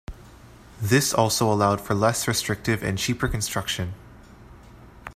This also allowed for less restrictive and cheaper construction.